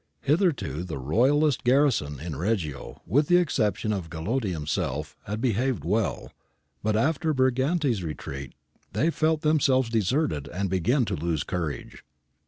Hitherto the Royalist garrison in Reggio with the exception of Gallotti himself had behaved well, but after Briganti's retreat they felt them selves deserted and began to lose courage.